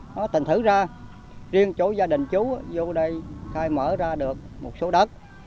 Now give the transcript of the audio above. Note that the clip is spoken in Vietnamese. nó tình thử ra riêng chỗ gia đình chú vô đây khai mở ra được một số đất